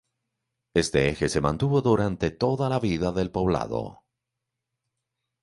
Este eje se mantuvo durante toda la vida del poblado.